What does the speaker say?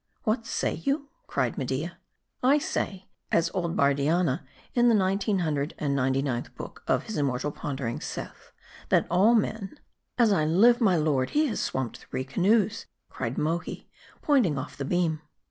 " What say you ?" cried Media. " I say, as old Bardianna in the Nine hundred and ninety ninth book of his immortal Ponderings saith, that all men "" As I live, my lord, he has swamped three canoes," cried Mohi, pointing off the beam.